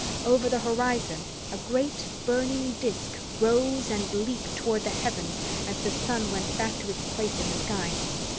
Over the horizon, a great burning disc rose and leaped toward the heavens as the sun went back to its place in the sky.